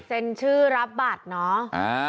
เซ็นชื่อรับบัตรเนาะ